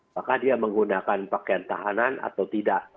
apakah dia menggunakan pakaian tahanan atau tidak